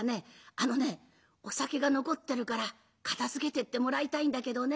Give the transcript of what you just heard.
あのねお酒が残ってるから片づけてってもらいたいんだけどね」。